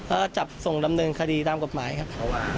ก็จับส่งดำเนินคดีตามกฎหมายครับ